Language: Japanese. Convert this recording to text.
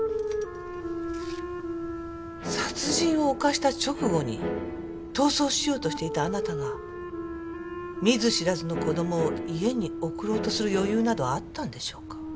殺人を犯した直後に逃走しようとしていたあなたが見ず知らずの子供を家に送ろうとする余裕などあったんでしょうか？